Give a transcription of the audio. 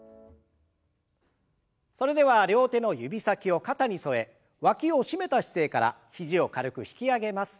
それでは両手の指先を肩に添えわきを締めた姿勢から肘を軽く引き上げます。